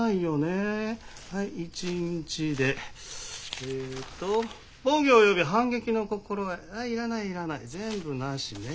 えっと「防御及び反撃の心得」あいらないいらない全部なしね。